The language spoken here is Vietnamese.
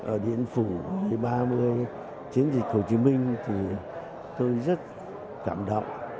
ở điện phủ ngày ba mươi chiến dịch hồ chí minh tôi rất cảm động